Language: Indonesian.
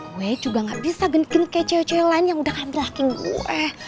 gue juga gak bisa genit genit kayak cewek cewek lain yang udah ngantri laki gue